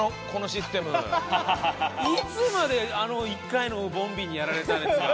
いつまであの１回のボンビーにやられたらいいんですか。